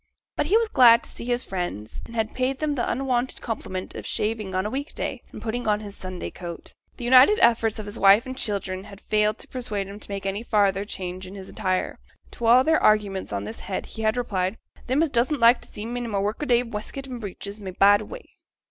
But he was glad to see his friends; and had paid them the unwonted compliment of shaving on a week day, and putting on his Sunday coat. The united efforts of wife and children had failed to persuade him to make any farther change in his attire; to all their arguments on this head he had replied, 'Them as doesn't like t' see me i' my work a day wescut and breeches may bide away.'